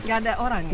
gak ada orang ya